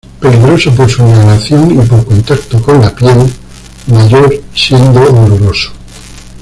Peligroso por su inhalación y por contacto con la piel, mayor siendo oloroso.